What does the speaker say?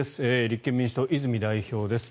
立憲民主党、泉代表です。